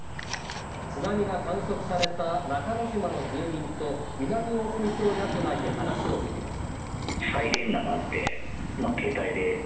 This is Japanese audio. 津波が観測された中之島の住民と南大隅町役場に話を聞きました。